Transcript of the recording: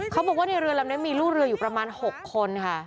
เขาบอกว่าในเรือลำนี้มีลูกเรืออยู่ประมาณ๖คนค่ะ